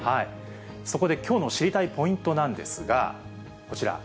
そこできょうの知りたいポイントなんですが、こちら。